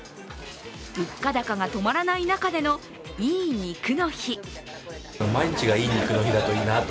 物価高が止まらない中でのいい肉の日。